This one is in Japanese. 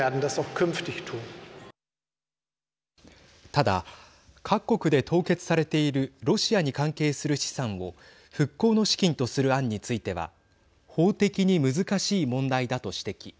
ただ、各国で凍結されているロシアに関係する資産を復興の資金とする案については法的に難しい問題だと指摘。